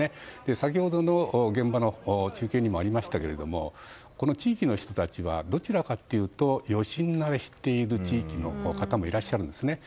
先ほどの現場の中継にもありましたがこの地域の人たちはどちらかというと余震慣れしている地域の方もいらっしゃるんですね。